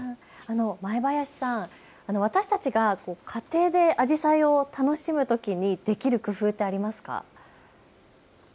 前林さん、私たちが家庭でアジサイを楽しむときにできる工夫はありますか。